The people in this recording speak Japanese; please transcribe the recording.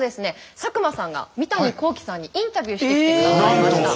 佐久間さんが三谷幸喜さんにインタビューしてきてくださいました。